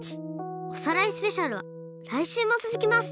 「おさらいスペシャル」はらいしゅうもつづきます！